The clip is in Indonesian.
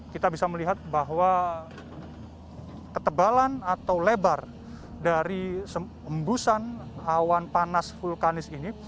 kita bisa melihat bahwa ketebalan atau lebar dari sembusan awan panas vulkanis ini